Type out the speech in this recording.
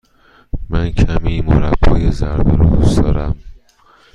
من کمی مربای زرد آلو دوست دارم.